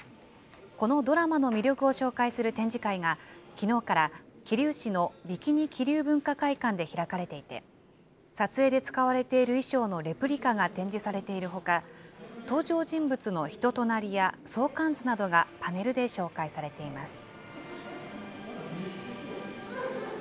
このドラマの魅力を紹介する展示会が、きのうから桐生市の美喜仁桐生文化会館で開かれていて、撮影で使われている衣装のレプリカが展示されているほか、登場人物の人となりや、相関図などがパネルで紹介されています。